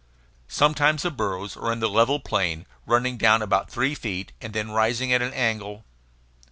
Sometimes the burrows are in the level plain, running down about three feet, and then rising at an angle.